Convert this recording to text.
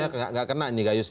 jadi itu tidak kena gayus